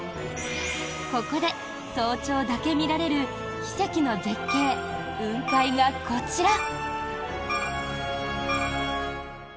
ここで早朝だけ見られる奇跡の絶景、雲海がこちら。